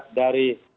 kamu dan kau